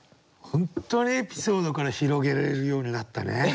本当にエピソードから広げられるようになったね。